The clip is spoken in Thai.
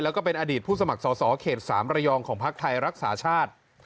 แล้วก็เป็นอดีตผู้สมัครสอสอเขต๓ระยองของพักไทยรักษาชาติ